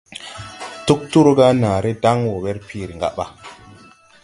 Tugturu ga naaré daŋ wɔ werpiiri ngaba.